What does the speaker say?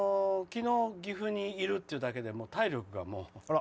きのう、岐阜にいるっていうだけで体力が。